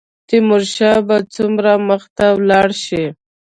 تیمورشاه به څومره مخته ولاړ شي.